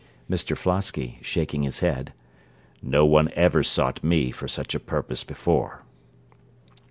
MR FLOSKY (shaking his head) No one ever sought me for such a purpose before.